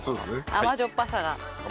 甘じょっぱさ。